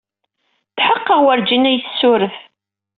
Tḥeqqeɣ werjin ad iyi-tessuref.